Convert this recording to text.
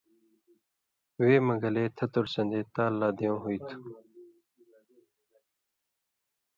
وے مہ گلے تھتُوڑ سݩدے تال لا دیوۡں ہُوئ تُھو۔